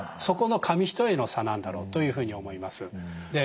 そこの紙一重の差なんだろうというふうに思います。